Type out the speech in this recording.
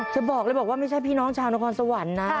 จะบอกเลยบอกว่าไม่ใช่พี่น้องชาวนครสวรรค์นะ